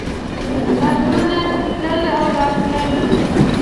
امرونه تلل او راتلل.